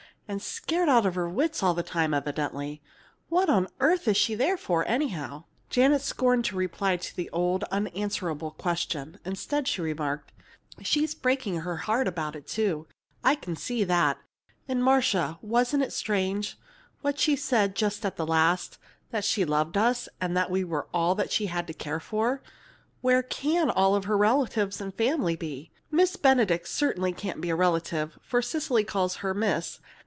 And scared out of her wits all the time, evidently. What on earth is she there for, anyhow?" Janet scorned to reply to the old, unanswerable question. Instead she remarked: "She's breaking her heart about it, too. I can see that. And, Marcia, wasn't it strange what she said just at the last that she loved us, and that we were all she had to care for! Where can all her relatives and family be? Miss Benedict certainly can't be a relative, for Cecily calls her 'Miss.'